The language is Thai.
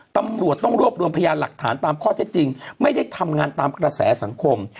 ตำรวจต้องรวบรวมพยานหลักฐานตามข้อเท็จจริงไม่ได้ทำงานตามกระแสสังคม